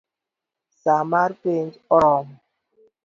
Saa mar penj oromo